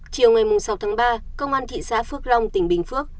chiều ngày sáu tháng ba công an thị xã phước long tỉnh bình phước